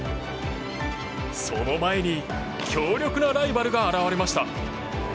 その前に強力なライバルが現れました。